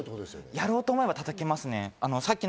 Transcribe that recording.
やろうと思えば叩けますね。